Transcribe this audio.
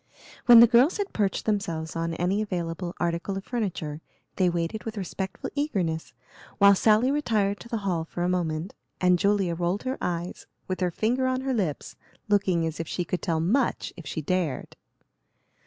When the girls had perched themselves on any available article of furniture, they waited with respectful eagerness, while Sally retired to the hall for a moment, and Julia rolled her eyes, with her finger on her lips, looking as if she could tell much if she dared.